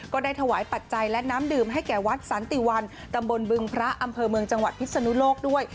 ก็ได้ถวายปัจจัยและน้ำดื่มให้แก่วัดสันติวันตำบลบึงพระอำเภอเมืองจังหวัดพิศนุโลกด้วย